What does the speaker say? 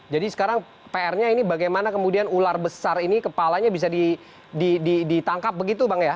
jadi sekarang pr nya ini bagaimana kemudian ular besar ini kepalanya bisa ditangkap begitu bang ya